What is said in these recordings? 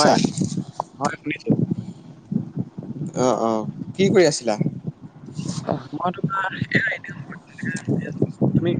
হয়, চাৰ হয় শুনিছোঁ। অ অ কি কৰি আছিলা। অ মই তোমাৰ তুমি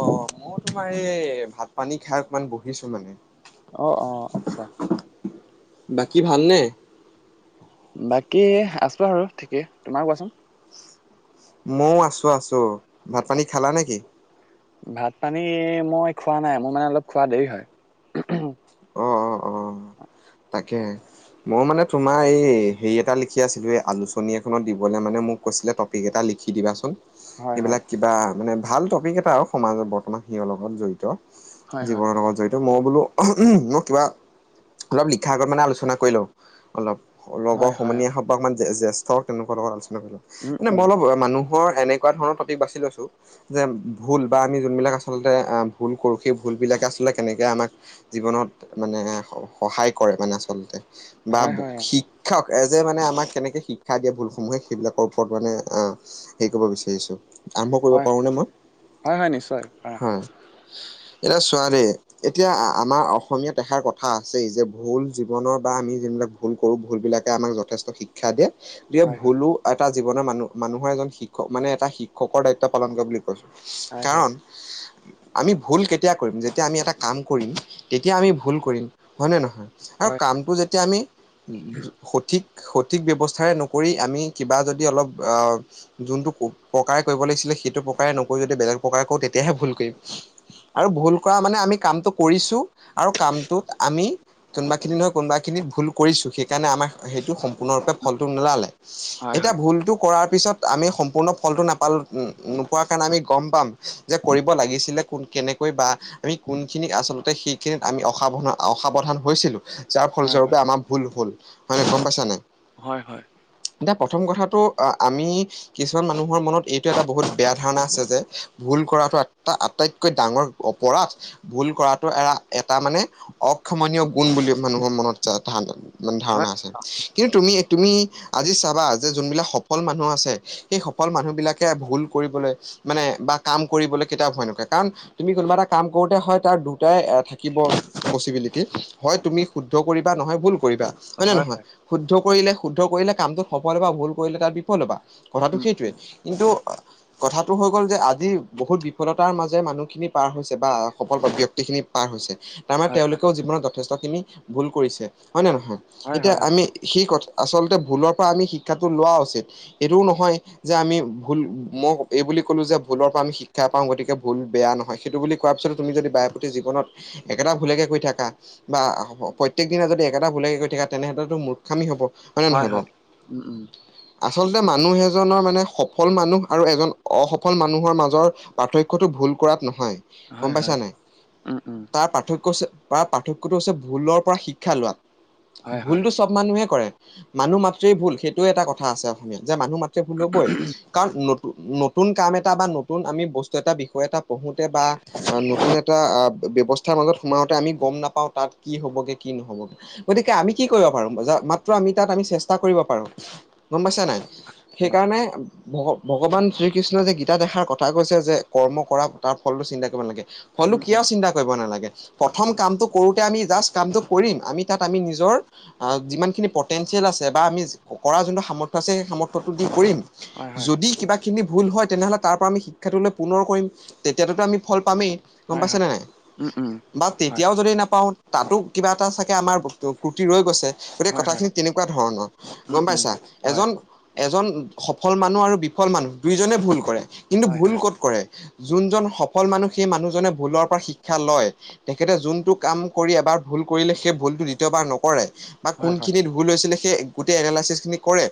অ মই তোমাৰ এই ভাত পানী খাই অকমান বহিছো মানে অ অ আচ্ছা বাকী ভালনে? বাকী আছো আৰু ঠিকেই তোমাক কোৱাচোন ময়ো আছোঁ আছোঁ ভাত পানী খালা নেকি ভাত পানী মই খোৱা নাই মোৰ মানে অলপ খোৱা দেৰি হয় অ অ অ তাকে মই মানে তোমাৰ এই হেৰি এটা লিখি আছিলো এই আলোচনী এখনত দিবলে মানে মোক কৈছিলে পেকেইটা লিখি দিবাচোন হয়, হয়। সেইবিলাক কিবা মানে ভাল টপিক এটা আৰু সমাজত বৰ্তমান সিহঁৰ লগত হয়, জড়িত হয়। জীৱনৰ লগত জড়িত মই বোলো মই কিবা অলপ লিখাৰ আগত মানে আলোচনা কৰি লওঁ অলপ লগৰ হয়, হয়। সমনি অ। আহক অমান জ্যেষ্ঠ হওক তেনেকুৱা লগত আলোচনা কৰিলো উম, মান মই উম। অলপ অ মানুহ মৰ এনেকুৱা ধৰণ টপিক বাছি লৈছো যে ভুল বা আমি যোন বিলাক আচলতে ভুল কৰোঁ সেই ভুল বিলাকে আচলতে কেনেকে আমাক জীৱনত মানে সহায় কৰে মানে আচলতে বা হয়, হয়, অ'। শি শিক্ষক এ যে মানে আমাক কেনেকে শিক্ষা দিয়ে ভুলসমূহে সেইবিলাকৰ ওপৰত মানে আহ হেই কৰিব বিচাৰিছো আৰম্ভ কৰিব হয়, পাৰো নে মই হয়, হয় নিশ্চয় পাৰা। হয় এতিয়া চোৱা দে এতিয়া আমাৰ অসমীয়া ত এখাৰ কথা আছে যে ভুল জীৱনৰ বা আমি যোন বিলাক ভুল কৰো ভুল বিলাকে আমাক যথেষ্ট শিক খা দিয়ে যেতি হয়, হয়। ভুলো এটা জীৱনৰ মানুহ মানুহৰ এজন শিক্ষক মানে এটা শিক্ষকৰ দায়িত্ব পালন কৰে বুলি কৈছো হয়, হয়। কাৰণ আমি ভুল কেতিয়া কৰিম যেতিয়া আমি এটা কাম কৰিম তেতিয়া আমি ভুল কৰিম হয়নে নহয় আৰু হয়, কামটো যেতিয়া আমি সঠিক সঠিক ব্যৱস্থাৰে নকৰি আমি কিবা যদি অলপ যোনটো প প্ৰকাৰে কৰিব লাগিছিলে সেইটো প্ৰকাৰে নকৰি যদি বেলেগ প্ৰকাৰে কওঁ তেতিয়াহে ভুল কৰিম। আৰু ভুল কৰা মানে আমি কামটো কৰিছোঁ আৰু কামটো। আমি কোনোবা খিনি নহয় কোনোবা খিনিত ভুল কৰিছো সেইকাৰণে আমাৰ। সেইটো সম্পূৰ্ণৰূপে ফলটো নোলালে হয়, এতিয়া হয়। ভুলটো কৰাৰ পিছত। আমি সম্পূৰ্ণ ফলটো নাপালো নোপোৱাৰ কাৰণে আমি গম পাম যে কৰিব লাগিছিলে। কোন কেনেকৈ বা আমি কোনখিনি আচলতে সেইখিনিত আমি অসাৱধ অসাৱধান হৈছিলো। যাৰ হয়, ফলস্বৰূপে হয়। আমাৰ ভুল হ'ল হয় নহয় গম পাইছা নাই। হয় হয়। এতিয়া প্ৰথম কথাটো আ আমি। কিছুমান মানুহৰ মনত এইটো এটা বহুত বেয়া ধাৰণা আছে যে ভুল কৰাটো এটা আটাইতক। কৈ ডাঙৰ অপৰাধ ভুল কৰাটো এ এটা মানে। অক্ষমনীয় গুণ বুলি মানুহৰ মনত ধান হয়, ধাৰণা আছে কিন্তু তুমি। তুমি আজি চাবা যে যোনবিলাক সফল মানুহ আছে। সেই সফল মানুহ বিলাকে ভুল কৰিবলৈ মানে বা কাম কৰিবলৈ কিতাপ ভয় নকৰে কাৰণ। তুমি কোনোবা এটা কাম কৰোতে হয় তাৰ দুটাই থাকিব। পচিবিলিতি হয় তুমি শুদ্ধ কৰিবা নহয় ভুল কৰিবা হয় নে নহয়। শুদ্ধ কৰিলে শুদ্ধ কৰিলে কামটোত সফল হ'ব বা ভুল কৰিলে তাত বিফল হ'বা। কথাটো উম, সেইটোৱে উম। কিন্তু অ। কথাটো হৈ গ'ল যে আজি বহুত বিফলতাৰ মাজে মানুহখিনি পাৰ হৈছে বা সফল ব্যক্তিখিনি। পাৰ হৈছে। তাৰমানে হয়, হয়। তেওঁলোকেও জীৱনত যথেষ্টখিনি ভুল কৰিছে হয়নে নহয় হয়, এতিয়া হয়, অ'। আমি সেই কথা। আচলতে ভুলৰ পৰা আমি শিক্ষাটো লোৱা উচিত এইটোও নহয়। যে আমি ভুল মই এই বুলি ক'লো যে ভুলৰ পৰা আমি শিক্ষা পাওঁ গতিকে ভুল বেয়া নহয়। সেইটো বুলি কোৱাৰ পিছত তুমি যদি বায়ে প্ৰতি জীৱনত। একেটা ভুলকে কৈ থাকা বা প্ৰত্যেক দিনা যদি একেটা ভুলকে কৈ থাকা তেনেহলেটো ম। খামি হ'ব হয়নে হয়, নহয় বাৰু। হয়। উম, উম। আচলতে মানুহ এজনৰ মানে সফল মানুহ আৰু এজন অসফল মানুহৰ মাজৰ। পাৰ্থক্যটো ভুল কৰাত নহয় হয়, গম পাইছা হয়। নে। উম, উম। তাৰ পাৰ্থক্য তাৰ পাৰ্থক্যটো হৈছে ভুলৰ পৰা শিক্ষা লোৱা হয়, হয়। ভুলতটো চি। চব মানুহে কৰে মানুহ মাতৃেই ভুল সেইটো এটা কথা আছে অসমীয়াত যে মানুহ মাতৃ ভুল হ'বই। কাৰণ নতুন নতুন কাম এটা বা নতুন আমি বস্তু এটা বিষয় এটা পঢ়োঁতে বা। অ', নতুন এটা ব্যৱস্থাৰ মাজত সোমাওতে আমি গম নাপাওঁ তাত কি হ'বগে কি নহ'বগে। গতিকে আমি কি কৰিব পাৰো ম মাত্ৰ আমি তাত আমি চেষ্টা কৰিব পাৰো গম পাইছা নাই। অ সেইকাৰণে। ভগ-ভগৱান শ্ৰীকৃষ্ণই যে গীতাত এখাৰ কথা কৈছে যে কৰ্ম কৰা তাৰ ফলটো চিন্তা কৰিব নালাগে। ফলটো উম, উম। কিয় চিন্তা কৰিব নালাগে। প্ৰথম কামটো কৰোতে আমি জাষ্ট কামটো কৰিম আমি তাত আমি নিজৰ। আ যিমানখিনি পটেঞ্চিয়েল আছে বা আমি কৰা যোনটো সামৰ্থ্য আছে সেই সামৰ্থ্যটো দি কৰিম। হয়, হয়। যদি কিবা। খিনি ভুল হয় তেনেহ'লে তাৰ পৰা আমি শিক্ষাটোলৈ পুনৰ কৰিম তেতিয়াততো আমি ফল পামেই। গম হয় পাইছে হয় নে নাই? উম উম। বা হয়। তেতিয়াও যদি নাপাওঁ তাতো কিবা এটা চাগে আমাৰ ক্ৰুটি ৰৈ গৈছে। গতিকে হয় হয় কথাখিনি তেনেকুৱা ধৰণৰ উম গম উম পাইছা হয় এজন। এজন সফল মানুহ আৰু বিফল মানুহ দুইজনে ভুল কৰে কিন্তু হয় ভুল হয় ক'ত কৰে। যোনজন সফল মানুহ সেই মানুহজনে ভুলৰ পৰা শিক্ষা লয়। তেখেতে যোনটো কাম কৰি এবাৰ ভুল কৰিলে সেই ভুলতটো দ্বিতীয়বাৰ নকৰে, বা হয় হয় কোনখিনিত- ভুল হৈছিলে সেই গোটেই এনালাইচিছ খিনি কৰে।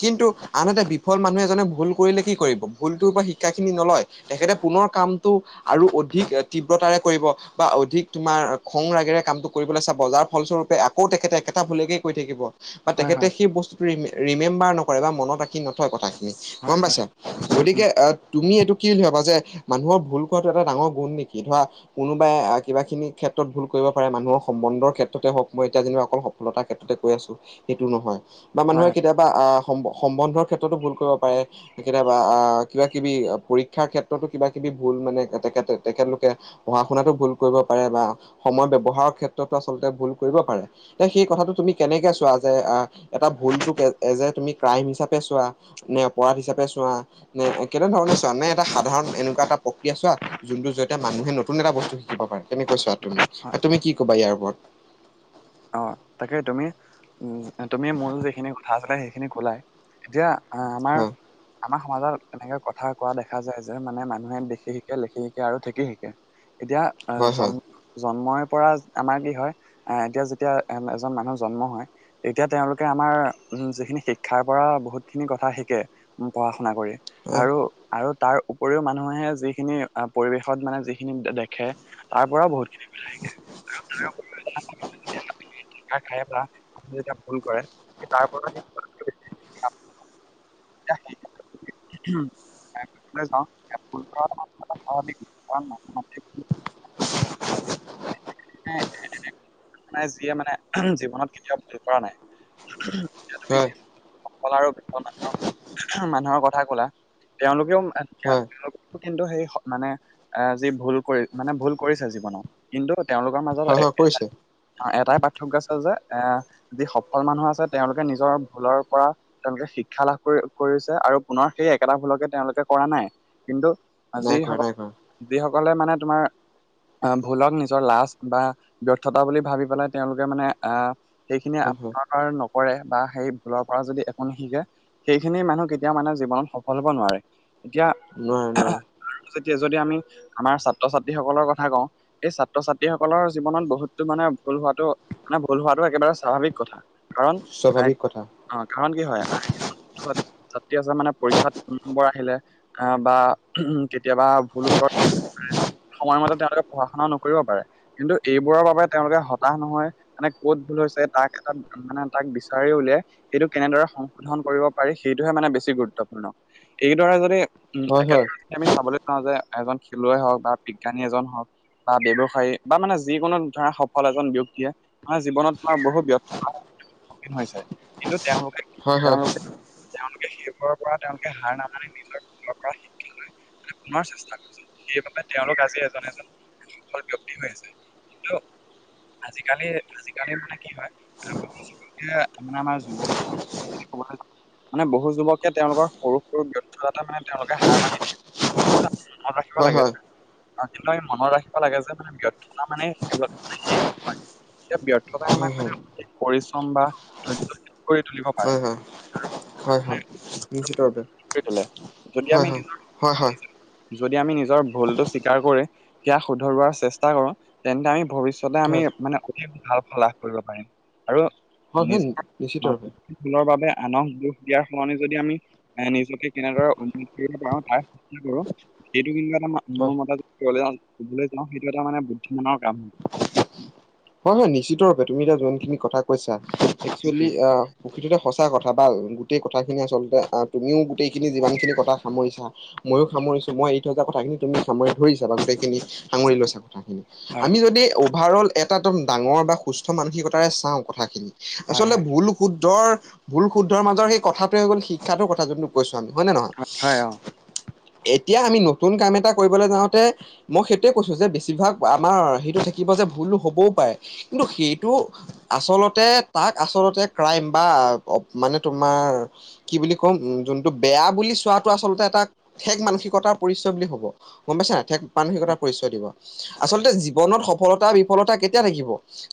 কিন্তু আনহাতে বিফল মানুহে এজনে ভুল কৰিলে কি কৰিবি, ভুলটোৰ পৰা শিক্ষা খিনি নলয়। তেখেতে পুনৰ কামটো আৰু অধিক তীব্ৰতাৰে কৰিব। বা অধিক তোমাৰ খং ৰাগেৰে কামটো কৰিবলৈ চাব, যাৰ ফলস্বৰূপে আকৌ তেখেতে একেটা ভুলীয়াকেই কৈ থাকিব। বা হয় তেখেতে হয় সেই বস্তুটো ৰিমেম্বাৰ নকৰে বা মনত- তেনেকুৱা কথাখিনি গম হয় হয় পাইছে। উম উম গতিকে আহ- তুমি এইটো কি বুলি ভাবা যে মানুহৰ ভুল কটো এটা ডাঙৰ গুণ নেকি ধৰা কোনো বা কিবাখিনি ক্ষেত্ৰত ভুল কৰিব পাৰে মানুহৰ সম্বন্ধৰ ক্ষেত্ৰতে হওক মই এতিয়া যেনিবা অকল সফলতাৰ ক্ষেত্ৰতে কৈ আছোঁ। সেইটো নহয়, বা হয় মানুহে হয় কেতিয়াবা আঁহ সম-সম্বন্ধৰ ক্ষেত্ৰতো ভুল কৰিব পাৰে। কেতিয়াবা আঁহ কিবা-কিবি পৰীক্ষাৰ ক্ষেত্ৰতো কিবা-কিবি ভুল মানে তেখেত তেখেতলোকে পঢ়া শুনাতো ভুল কৰিব পাৰে বা সময় ব্যৱহাৰৰ ক্ষেত্ৰতো আচলতে ভুল কৰিব পাৰে। তে সেই কথাটো তুমি কেনেকে চোৱা যে এটা ভুলটোক এজ এ তুমি ক্ৰাইম হিচাপে চোৱা। নে অপৰাধ হিচাপে চোৱা। নে কেনেধৰণে চোৱা নে এটা সাধাৰণ এনেকুৱা এটা প্ৰক্ৰিয়া চোৱা যোনটো জৰিয়তে মানুহে ন- তেন এটা বস্তু শিকিব পাৰেনে, কৈ ছোৱা তুমি হয় আৰু তুমি কি কবা ইয়াৰ ওপৰত? অ', তাকে তুমি উম তুমি মোৰ যিখিনি কথা আছিলে সেইখিনি কলাই এতিয়া আহঁ আমাৰ হয় আমাৰ সমাজত এনেকে কথা কোৱা দেখা যায় যে মানে মানুহে দেখি শিকে, লিখি শিকে আৰু ঠিকেই শিকে। এতিয়া আহ', হয় হয় জন্ম জন্মই পৰা আমাৰ কি হয় আহ এতিয়া এতিয়া এ' এজন মানুহ জন্ম হয়। তেতিয়া তেওঁলোকে আমাৰ উম যিখিনি শিক্ষাৰ পৰা বহুত খিনি কথা শিকে উম পঢ়া-শুনা কৰি। আৰু, আৰু তাৰ উপৰিও মানুহে যিখিনি পৰিৱেশত মানে যিখিনি দেখে- তাৰ পৰাও বহুত খিনি শিকে। খ খাই পৰা যেতিয়া ফোন কৰে তাৰপৰাও [inaudible] [inaudible] এনেই যিয়ে মানে জীৱনত কেতিয়াও ভুল কৰা নাই। এতিয়া তুমি হয় যি সফল আৰু বিফল মানুহৰ, মানুহৰ কথা কলা। তেওঁলোকেও- এতিয়া হয় তেওঁলোকেও কিন্তু সেই মানে যি ভুল কৰি মানে ভুল কৰিছে জীৱনত- কিন্তু তেওঁলোকৰ মাজত হয় হয় এ' কৰিছে। এটা এটাই পাৰ্থক্য আছে যে এ যি সফল মানুহ আছে তেওঁলোকে নিজৰ ভুলৰ পৰা তেওঁলোকে শিক্ষা লাভ কৰি কৰিছে, আৰু পুনৰ সেই একেটা ভুলকে তেওঁলোকে কৰা নাই। নাই কৰা নাই কৰা কিন্তু- যি সকলে মানে তোমাৰ- আহ ভুলক নিজৰ লাজ বা ব্যৰ্থতা বুলি ভাবি পেলাই তেওঁলোকে মানে আহঁ- সেইখিনি হয় হয় আপোনাৰ কৰে বা সেই ভুলৰ পৰা যদি একো নিশিকে সেইখিনি মানুহ কেতিয়াও মানে জীৱনত সফল হ'ব নোৱাৰে। এতিয়া নোৱাৰে নোৱাৰে যদি আমি আমাৰ ছাত্ৰ-ছাত্ৰী সকলৰ কথা কওঁ- এই ছাত্ৰ-ছাত্ৰীসকলৰ জীৱনত বহুতো মানে ভুল হোৱাটো মানে ভুল হোৱাতটো একেবাৰে স্বাভাৱিক কথা। কাৰণ স্বাভাৱিক কথা অঁ', কাৰণ কি হয়- ছাত্ৰী আছে মানে পৰীক্ষাত নম্বৰ আহিলে- আঁহ', বা উম, কেতিয়াবা ভুল উত্তৰত সময়মতে তেওঁলোকে- পঢ়া-শুনা নকৰিব পাৰে। কিন্তু এইবোৰৰ বাবে তেওঁলোকে হতাশ নহয় মানে ক'ত ভুল হৈছে তাক এটা- মানে তাক বিচাৰি উলিয়াই সেইটো কেনেদৰে সংশোধন কৰিব পাৰি সেইটোহে মানে বেছি গুৰুত্বপূৰ্ণ। এইদৰে যদি উম, হয় হয় একেদৰে যদি আমি চাবলৈ যাওঁ যে এজন খেলুৱৈ হওক বা বিজ্ঞানী এজন হওক বা ব্ৱসায়ী বা মানে যিকোনো ধৰা সফল এজন ব্যক্তিয়ে আমাৰ জীৱনত তোমাৰ বহু ব্যৰ্থতাৰ সন্মুখীন হৈছে কিন্তু তেওঁলোকে হয় হয় তেওঁলোকে তেওঁলোকে সেইবোৰৰ পৰা তেওঁলোকে হাৰ নামানি নিজৰ ভুলৰ পৰা শিক্ষা লৈ পুনৰ চেষ্টা কৰিছে সেইবাবে তেওঁলোক আজি এজন এজন ব্যক্তি হৈ আছে কিন্তু আজিকালি আজিকালি মাননে কি হয় যিখিনি আমাৰ যুৱক [unintelligible] মানে বহু যুৱকে তেওঁলোকৰ সৰু সৰু ব্যৰ্থতাতে মানে তেওঁলোকে হাৰ মানি দিয়ে। মনত ৰাখিব হয় হয় লাগে কিন্তু আমি মনত ৰাখিব লাগে যে মানে ব্যৰ্থতা মানে সেইবিলাকে মানে শেষ নহয়। এতিয়া ব্যৰ্থতাই হয় হয় আমাক পৰিশ্ৰম বা ধৈৰ্যশিল কৰি তুলিব হয় পাৰে। হয় হয়, হয়, নিশ্চিত ৰূপে কৰি তোলে যদি হয়, আমি হয়, হয়, হয়। যদি আমি নিজৰ ভুলতটো স্বীকাৰ কৰি সেয়া শুধৰোৱাৰ চেষ্টা কৰো তেন্তে আমি ভৱিষ্যত আমি হয় মানে অতি ভাল ফল লাভ কৰিব পাৰিম আৰু হয় হয় নিজ নিশ্চিতৰূপে ভুলৰ বাবে আনক দোষ দিয়াৰ সলনি যদি আমি এ নিজকে কেনেদৰে উন্নত কৰিব পাৰো তাৰ চেষ্টা কৰো সেইটো কিন্তু এটা হয় মোৰ মতে যদি কবলৈ যা কবলৈ যাওঁ সেইটো এটা মানে বুদ্ধিমানৰ কাম। হয়, হয়, নিশ্চিত ৰূপে তুমি এতিয়া যোনখিনি কথা কৈছা উম, একচুৱেলী উম, আ প্রকৃততে সঁচা কথা বা গোটেই কথাখিনি আচলতে আহ তুমিও গোটেইখিনি যিমানখিনি কথা সামৰিছা ময়ো সামৰিছো মই এৰি থৈ যোৱা কথাখিনি তুমি সামৰি ধৰিছা গোটেইখিনি সামৰি লৈছা কথাখিনি। হয় আমি যদি অভাৰ অল এটা একদম ডাঙৰ বা সুস্থ মানসিকতাৰে চাওঁ কথাখিনি। হয় আচলতে হয় ভুল শুদ্ধৰ ভুল শুদ্ধৰ মাজৰ সেই কথাটোৱে হৈ গ'ল শিক্ষাটোৰ কথা যোনটো কৈছোঁ আমি হয় নে নহয় হয় অ এতিয়া আমি নতুন কাম এটা কৰিবলৈ যাওঁতে মই সেইটোৱে কৈছো যে বেছিভাগ আমাৰ সেইটো থাকিব যে ভুল হবও পাৰে কিন্তু সেইটো আচলতে তাক আচলতে ক্ৰাইম বা মানে তোমাৰ কি বুলি কম উম, যোনটো বেয়া বুলি চোৱাটো আচলতে এটা ঠেক মানসিকতাৰ পৰিচয় বুলি হব গম পাইছা নে নাই ঠেক মানসিকতাৰ পৰিচয় দিব। আচলতে, জীৱনত সফলতা-বিফলতা কেতিয়া থাকিব!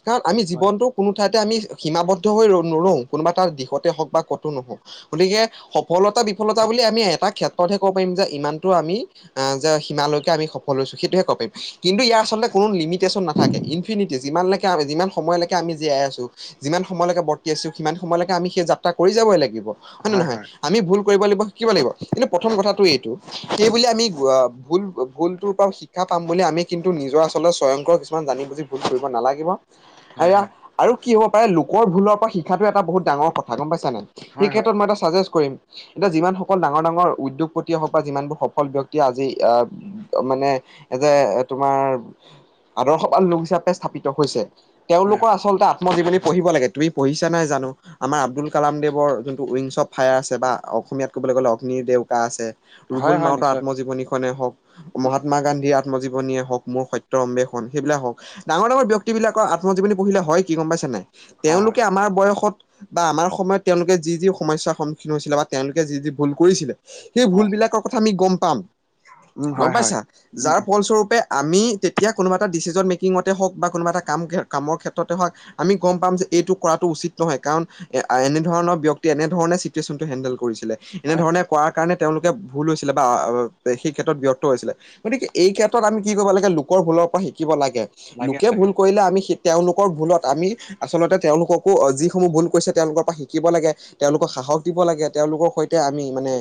কাৰণ আমি জীৱনটোক কোনো ঠাইতে আমি সীমাবদ্ধ হৈ ৰ নৰোও, কোনোবা তাৰ দিশতে হওঁক বা কতো নহওঁক! গতিকে, সফলতা-বিফলতা বুলি আমি এটা ক্ষেত্ৰতহে ক'ব পাৰিম যে ইমানটো আমি আ যে সিমানলৈকে আমি সফল হৈছোঁ সেইটোহে কপিম। কিন্তু ইয়াৰ আচলতে কোনো লিমিটেশচন নাথাকে। ইনফিনিটি, যিমানলৈকে আমি যিমান সময়লৈকে আমি জীয়াই আছোঁ। যিমান সময়লৈকে বৰ্তি আছোঁ, সিমান সময়লৈকে আমি সেই যাত্ৰা কৰি যাবই লাগিব। হয় নে নহয়? আমি ভুল কৰিব লাগিব শিকিব লাগিব। কিন্তু প্ৰথম কথাটো এইটো, সেইবুলি আমি আ ভুল ভুলটোৰ পৰা শিক্ষা পাম বুলি আমি কিন্তু নিজৰ আচলতে স্বয়ংকৰ কিছুমান জানি বুজি ভুল কৰিব নালাগিব। আৰু হয় হয় এয়া আৰু কি হ'ব পাৰে, লোকৰ ভুলৰ পৰা শিক্ষাটো এটা বহুত ডাঙৰ কথা। গম পাইছানে নাই? সেই হয় হয় হয় ক্ষেত্ৰত মই এটা চাজেষ্ট কৰিম। এতিয়া যিমানসকল ডাঙৰ ডাঙৰ উদ্যোগ পতিয়ে হওঁক বা যিমানবোৰ সফল ব্যক্তিয়ে আজি আ তেওঁ মানে এ যে, তোমাৰ আদৰ্শবান লোক হিচাপে স্থাপিত হৈছে। হয় হয় তেওঁলোকৰ আচলতে আত্মজীৱনী পঢ়িব লাগে। তুমি পঢ়িছা নাই জানো? আমাৰ আব্দুল কালামদেৱৰ যোনটো উইংছ অৱ ফায়াৰ আছে বা অসমীয়াত ক'বলৈ গ'লে অগ্নিৰ দেউকা আছে। হয় ৰুবুল হয় মাউতৰ নিশ্চয় আত্মজীৱনী খনে হওঁক মহাত্মা গান্ধীৰ আত্মজীৱনীয়ে হওঁক, মোৰ সত্যৰ অম্বেষন সেইবিলাক হওঁক। ডাঙৰ ডাঙৰ ব্যক্তি বিলাকৰ আত্মজীৱনী পঢ়িলে হয় কি গম পাইছে নাই? হয় হয় তেওঁলোকে আমাৰ বয়সত বা আমাৰ সময়ত তেওঁলোকে যি যি সমস্যাৰ সন্মুখীন হৈছিলে বা তেওঁলোকে যি যি ভুল কৰিছিলে। সেই হয় ভুলবিলাকৰ কথা আমি গম পাম। উম গম হয় হয় পাইছা, উম যাৰ উম ফলস্বৰূপে আমি তেতিয়া কোনোবা এটা ডিচিজন মেকিঙতে হওঁক বা কোনোবা এটা কাম কামৰ ক্ষেত্ৰতে হওঁক আমি গ'ম পাম যে, এইটো কৰাটো উচিত নহয়। কাৰণ এ, আ, এনেধৰণৰ ব্যক্তিয়ে, এনেধৰণে চিটুৱেচনটো হেণ্ডেল কৰিছিলে। হয় এনেধৰণে কৰা কাৰণে তেওঁলোকে ভুল হৈছিলে বা আ, সেই ক্ষেত্ৰত ব্যৰ্থ হৈছিলে। গতিকে, এই ক্ষেত্ৰত আমি কি কৰিব লাগে, লোকৰ ভুলৰ পৰা শিকিব লাগে। লাগে লোকে লাগে ভুল কৰিলে আমি সে তেওঁলোকৰ ভুলত আমি, আচলতে তেওঁলোককো যিসমূহ ভুল কৰিছে, তেওঁলোকৰ পৰা শিকিব লাগে। তেওঁলোকক সাহস দিব লাগে। তেওঁলোকৰ সৈতে আমি মানে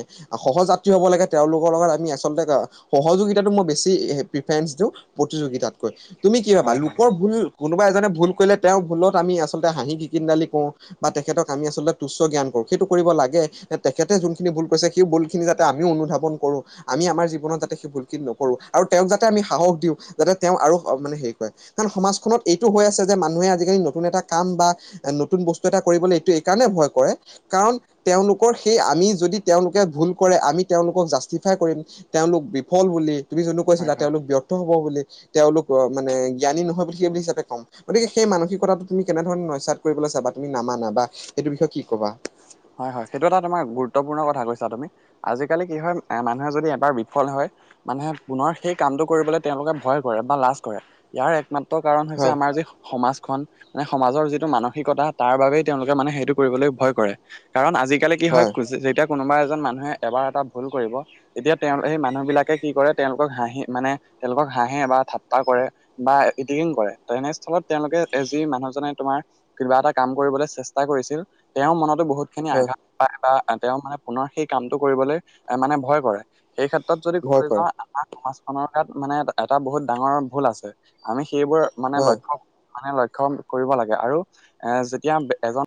সহযাত্ৰী হ'ব লাগে, তেওঁলোকৰ লগত আমি আচলতে আ, সহযোগিতাটো মোৰ বেছি সেই প্ৰিফাৰেঞ্চ দিওঁ। প্ৰতিযোগিতাতকৈ, তুমি কি ভাবা? হয় হয় লোকৰ ভুল কোনোবা এজনে ভুল কৰিলে তেওঁৰ ভুলত আমি আচলতে হাঁহি খিকিন্দালি কৰোঁ। বা তেখেতক আমি আচলতে তুচ্চ জ্ঞান কৰোঁ, সেইটো কৰিব লাগে, নে তেখেতে যোনখিনি ভুল কৰিছে সেই ভুল খিনি যাতে আমি অনুধাৱন কৰোঁ। আমি আমাৰ জীৱনত যাতে সেই ভুলখিনি নকৰোঁ, আৰু তেওঁক যাতে আমি সাহস দিওঁ। যাতে তেওঁ আৰু অ, মানে হেৰি কৰে। কাৰণ সমাজখনত এইটো হৈ আছে যে মানুহে আজিকালি নতুন এটা কাম বা এ, নতুন বস্তু এটা কৰিবলৈ এইটো এই কাৰণে ভয় কৰে কাৰণ, তেওঁলোকৰ সেই আমি যদি তেওঁলোকে ভুল কৰে, আমি তেওঁলোকক জাষ্টিফাই কৰিম। তেওঁলোক বিফল বুলি। তুমি জানো হয় কৈছিলা, হয় তেওঁলোক ব্যৰ্থ হ'ব বুলি। তেওঁলোক অ, মানে, জ্ঞানী নহয় বুলি কি, সেইটো হিচাপে কম? গতিকে, সেই মানসিকতাটো তুমি কেনেধৰণে ন্যচাত কৰিবলৈ চাবা, তুমি নামানা বা সেইটোৰ বিষয়ে কি কবা? হয়, হয়, সেইটো এটা তোমাৰ গুৰুত্বপূৰ্ণ কথা কৈছা তুমি। আজিকালি কি হয়, এ মানুহে যদি এবাৰ বিফল হয় মানুহে পুনৰ সেই কামটো কৰিবলৈ তেওঁলোকে ভয় কৰে, বা লাজ কৰে। ইয়াৰ একমা ত, কাৰণ হৈছে, হয় আমাৰ যি সমাজখন, মানে সমাজৰ যিটো মানসিকতা, তাৰ বাবেই তেওঁলোকে মানে সেইটো কৰিবলৈ, ভয় কৰে। কাৰণ, আজিকালি কি হয, হয় ক, যে যেতিয়া কোনোবা এজন মানুহে এবাৰ এটা ভুল কৰিব তেতিয়া তেওঁ, সেই মানুহবিলাকে কি কৰে, তেওঁলোকক হাঁহি, মানে তেওঁলোকক হাঁহে বা ঠাট্টা কৰে বা ইটিংকিং কৰে। ত, এনেস্থলত তেওঁলোকে এ, যি মানুহজনে তোমাৰ কিবা এটা কাম কৰিবলৈ চেষ্টা কৰিছিল, তেওঁৰ মনত বহুত খিনি হয় আঘাত পায়, বা আ, তেওঁ মানে পুনৰ সেই কামটো কৰিবলৈ মানে ভয় কৰে। সেইক্ষেত্ৰত তাত যদি ভয় ক'বলৈ কৰে যাওঁ, আমাৰ সমাজখনৰ গাত মানে এটা এটা বহুত ডাঙৰ ভুল আছে। আমি সেইবোৰ মানে হয় লক্ষ্য, মানে লক্ষ্যন কৰিব লাগে আৰু এ, যেতিয়া বে, এজন